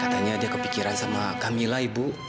katanya dia kepikiran sama kamila ibu